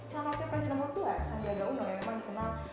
sandiaga undang yang kemarin kenal